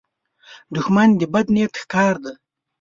دښمن د بد نیت ښکار دی